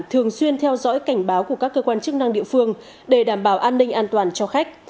thường xuyên theo dõi cảnh báo của các cơ quan chức năng địa phương để đảm bảo an ninh an toàn cho khách